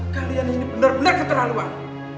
kalian ini benar benar keterlaluan